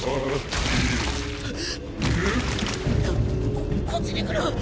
ここっちに来る！